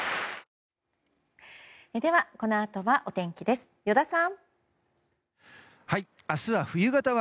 では、このあとはお天気です、依田さん。